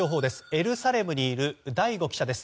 エルサレムにいる醍醐記者です。